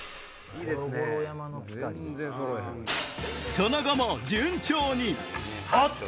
その後も順調にあっと！